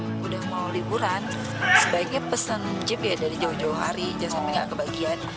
sudah mau liburan sebaiknya pesan jeep dari jauh jauh hari jangan sampai tidak kebagian